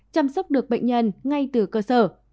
chăm sóc được bệnh nhân ngay từ cơ sở